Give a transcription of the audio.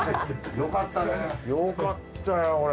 よかったよこれ。